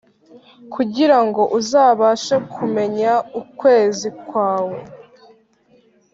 kugirango uzabashe kumenya ukwezi kwawe